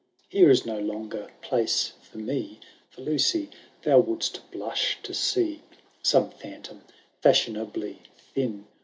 Here is no longer place for me ; For, Lucy, thou wouldst blush to see Some phantom, fashionably thin.